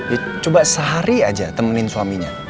itu coba sehari aja temenin suaminya